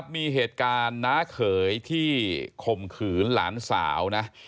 มีเหตุการณ์น้าเขยที่ข่มขืนหลานสาวนะ